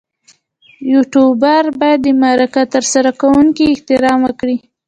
یوټوبر باید د مرکه ترسره کوونکي احترام وکړي.